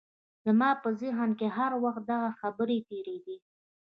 زما په ذهن کې هر وخت دغه خبرې تېرېدې